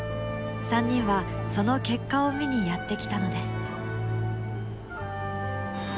３人はその結果を見にやって来たのです。